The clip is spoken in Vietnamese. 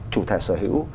chủ thể sở hữu